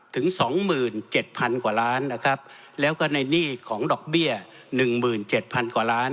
ถึง๒๗๐๐๐กว่าล้านแล้วก็ในหนี้ของดอกเบี้ย๑๗๐๐๐กว่าล้าน